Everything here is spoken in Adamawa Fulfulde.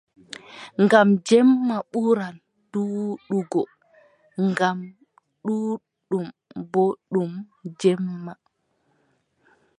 Ngam jemma ɓuran ɗuuɗugo ngam duumol boo ɗum jemma.